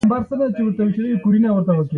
دري زما د وطن يوه ژبه ده.